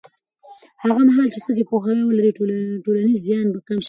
هغه مهال چې ښځې پوهاوی ولري، ټولنیز زیان به کم شي.